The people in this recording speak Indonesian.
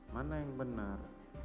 mana yang benar